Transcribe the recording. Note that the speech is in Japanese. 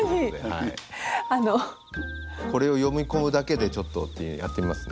これを読み込むだけでちょっとっていうのをやってみますね。